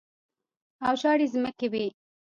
او شاړې ځمکې وې.